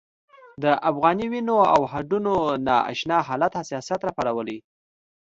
د افغاني وینو او هډونو نا اشنا حالت حساسیت راپارولی.